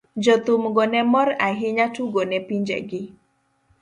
jothumgo ne mor ahinya tugo ne pinjegi.